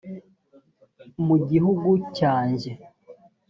mu gihugu cyanjye